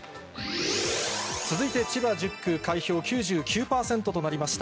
続いて千葉１０区、開票９９％となりました。